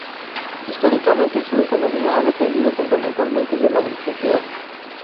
Históricamente su economía ha dependido fundamentalmente de la agricultura.